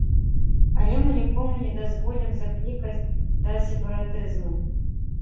Але мы нікому не дазволім заклікаць да сепаратызму.